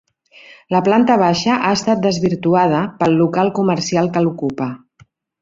La planta baixa ha estat desvirtuada pel local comercial que l'ocupa.